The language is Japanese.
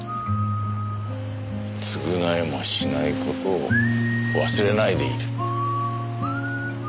償えもしない事を忘れないでいる。